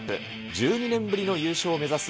１２年ぶりの優勝を目指す